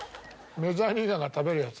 メジャーリーガーが食べるやつ？